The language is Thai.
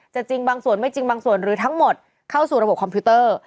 จริงบางส่วนไม่จริงบางส่วนหรือทั้งหมดเข้าสู่ระบบคอมพิวเตอร์